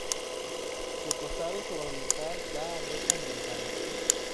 Su costado suroriental da al Eje Ambiental.